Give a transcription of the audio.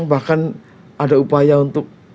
bahkan ada upaya untuk